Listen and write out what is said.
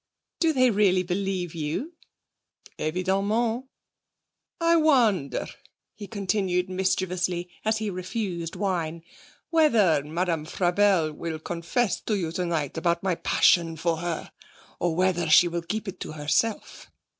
'Do they really believe you?' 'Evidemment!... I wonder,' he continued mischievously, as he refused wine, 'whether Madame Frabelle will confess to you tonight about my passion for her, or whether she will keep it to herself?'